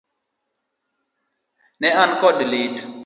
Ne an kod lit.